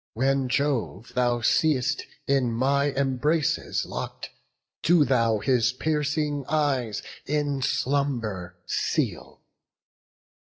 When Jove thou seest in my embraces lock'd, Do thou his piercing eyes in slumber seal.